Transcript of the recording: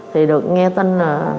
thì được nghe tin là